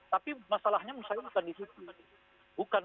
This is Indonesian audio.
tapi masalahnya misalnya bukan di situ